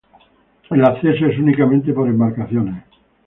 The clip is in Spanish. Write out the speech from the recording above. El acceso es únicamente por embarcaciones.